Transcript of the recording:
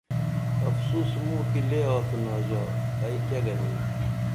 افسوس موں کی لے آڅِنا ژا ائی کیہ گنِم